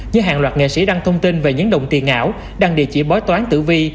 như hàng loạt nghệ sĩ đăng thông tin về những đồng tiền ảo đăng địa chỉ bói toán tử vi